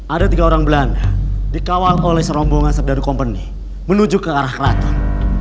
ada tiga orang belanda dikawal oleh serombongan serdadu company menuju ke arah keraton